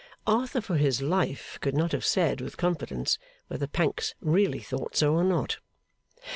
Arthur for his life could not have said with confidence whether Pancks really thought so or not.